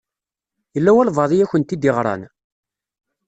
Yella walebɛaḍ i akent-id-iɣṛan?